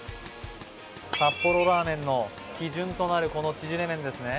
札幌ラーメンの基準となるこのちぢれ麺ですね。